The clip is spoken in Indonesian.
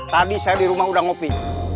tadi saya di rumah udah ngopi